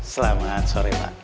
selamat sore pak